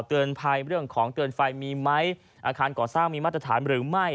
เตือนภัยเรื่องของเตือนไฟมีไหมอาคารก่อสร้างมีมาตรฐานหรือไม่